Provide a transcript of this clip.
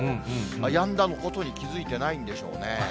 やんだことに気付いていないんでしょうね。